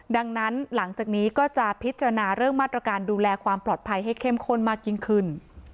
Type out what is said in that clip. ดังนั้นหลังจากนี้ก็จะพิจารณาเรื่องมาตรการดูแลความปลอดภัยให้เข้มข้นมากยิ่งขึ้น